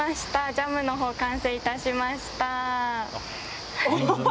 ジャムのほう完成いたしました。